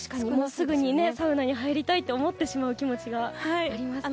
すぐにサウナに入りたいと思ってしまう気持ちがあるので。